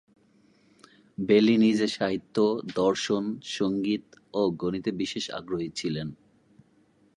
বেলি নিজে সাহিত্য, দর্শন, সঙ্গীত ও গণিতে বিশেষ আগ্রহী ছিলেন।